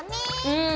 うん。